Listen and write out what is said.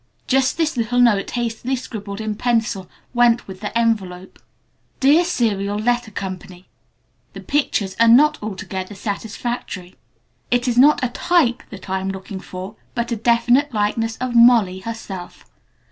Just this little note, hastily scribbled in pencil went with the envelope: "DEAR SERIAL LETTER CO.: "The pictures are not altogether satisfactory. It isn't a 'type' that I am looking for, but a definite likeness of 'Molly' herself.